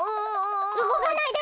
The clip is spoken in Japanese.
うごかないで！